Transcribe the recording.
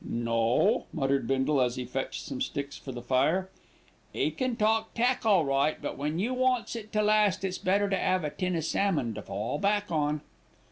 "No," muttered Bindle as he fetched some sticks for the fire. "'E can talk tack all right; but when you wants it to last, it's better to 'ave a tin o' salmon to fall back on."